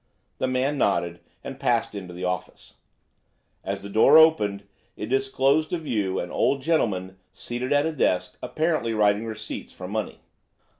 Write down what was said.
The man nodded and passed into the office. As the door opened, it disclosed to view an old gentleman seated at a desk apparently writing receipts for money.